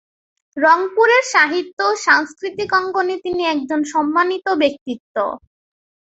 রংপুরের সাহিত্য ও সাংস্কৃতিক অঙ্গনে তিনি একজন সম্মানিত ব্যক্তিত্ব।